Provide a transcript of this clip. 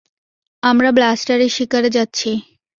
আমরা ব্লাস্টারের শিকারে যাচ্ছি।